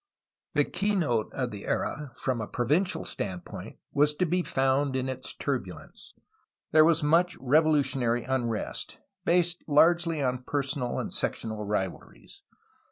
The keynote of the era from a provincial standpoint was to be found in its turbulence. There was much revolutionary um'est, based largely on personal and sectional rivalries.